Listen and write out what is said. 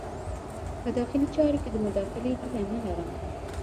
په داخلي چارو کې د مداخلې هیله نه لرم.